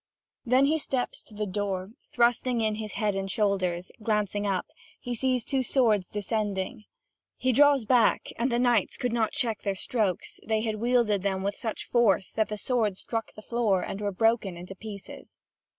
Then he steps to the door, thrusting in his head and shoulders; glancing up, he sees two swords descending. He draws back, and the knights could not check their strokes: they had wielded them with such force that the swords struck the floor, and both were broken in pieces.